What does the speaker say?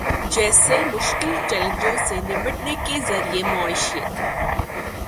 جیسے مشکل چیلنجوں سے نمٹنے کے ذریعہ معیشت